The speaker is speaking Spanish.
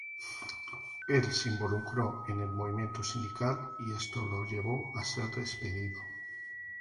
Él se involucró en el movimiento sindical y esto lo llevó a ser despedido.